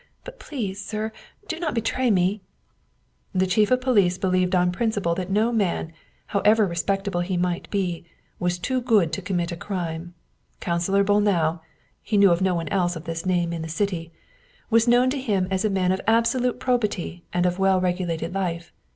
But please, sir, do not betray me !" The chief of police believed on principle that no man, however respectable he might be, was too good to commit a crime. Councilor Bolnau (he knew of no one else of this name in the city) was known to him as a man of absolute probity and of well regulated life.